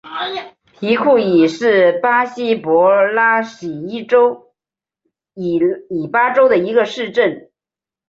皮库伊是巴西帕拉伊巴州的一个市镇。